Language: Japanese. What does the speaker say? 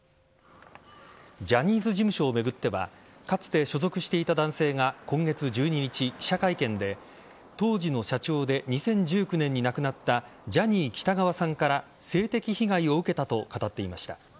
ジャニーズ事務所を巡ってはかつて所属していた男性が今月１２日、記者会見で当時の社長で２０１９年に亡くなったジャニー喜多川さんから性的被害を受けたと語っていました。